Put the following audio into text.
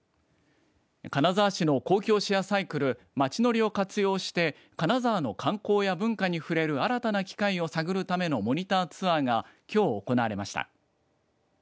金沢市の公共シェアサイクルまちのりを活用して金沢の観光や文化に触れる新たな機会を探るためのモニターツアーがきょう行われました。